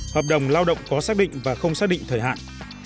hợp đồng lao động có xác định và không xác định thời hạn